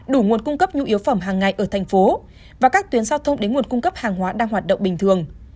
đủ nguồn cung cấp nhu yếu phẩm hàng ngày ở thành phố và các tuyến giao thông đến nguồn cung cấp hàng hóa đang hoạt động bình thường